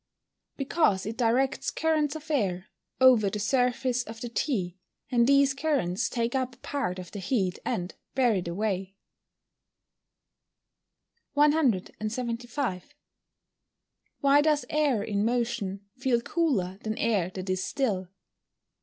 _ Because it directs currents of air over the surface of the tea, and these currents take up a part of the heat and bear it away. 175. _Why does air in motion feel cooler than air that is still?